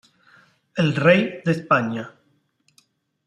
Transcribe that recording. El Rey de España.